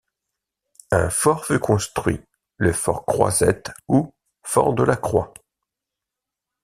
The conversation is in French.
Un fort fut construit, le fort Croisette ou fort de la Croix.